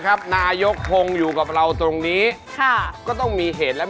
พระนายค่าเก่งสุขอย่างเที่ยวฟ้า